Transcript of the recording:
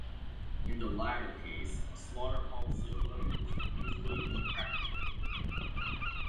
In the latter case, a slaughter policy alone is usually impracticable.